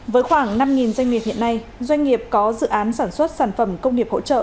với khoảng năm doanh nghiệp hiện nay doanh nghiệp có dự án sản xuất sản phẩm công nghiệp hỗ trợ